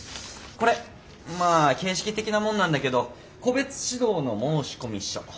これまあ形式的なもんなんだけど個別指導の申込書。